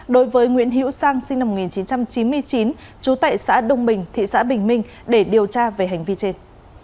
đối với nguyễn hữu sang sinh năm một nghìn chín trăm chín mươi chín trú tại xã đông bình thị xã bình minh để điều tra về hành vi trên